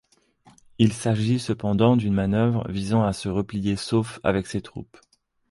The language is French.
Il s'agit cependant d'une manœuvre visant à se replier sauf avec ses troupes.